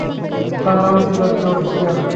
তার নাম ছিলো জর্জিয়া।